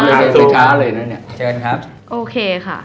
ไม่เคยไปจริงเลยนะ